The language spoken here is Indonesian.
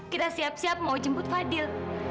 kita siap siap mau jemput fadil